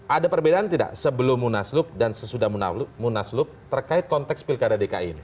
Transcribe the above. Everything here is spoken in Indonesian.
ada perbedaan tidak sebelum munaslup dan sesudah munaslup terkait konteks pilkada dki ini